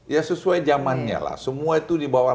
ya sesuai zamannya lah semua itu di bawah